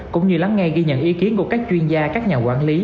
cũng như lắng nghe ghi nhận ý kiến của các chuyên gia các nhà quản lý